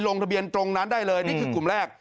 ลงทะเบียนตรงนั้นได้เลยนี่คือกลุ่มแรก